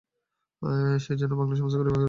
যে যেন বাংলার সমস্ত গরিব রায়তের প্রতিমূর্তি।